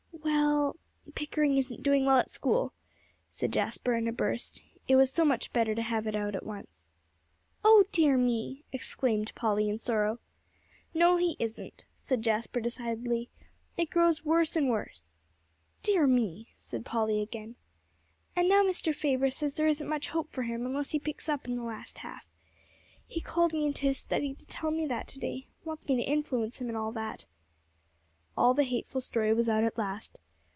"Well, Pickering isn't doing well at school," said Jasper, in a burst. It was so much better to have it out at once. "Oh dear me!" exclaimed Polly, in sorrow. "No, he isn't," said Jasper decidedly; "it grows worse and worse." "Dear me!" said Polly again. "And now Mr. Faber says there isn't much hope for him, unless he picks up in the last half. He called me into his study to tell me that to day wants me to influence him and all that." All the hateful story was out at last.